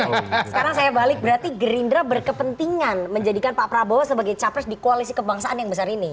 sekarang saya balik berarti gerindra berkepentingan menjadikan pak prabowo sebagai capres di koalisi kebangsaan yang besar ini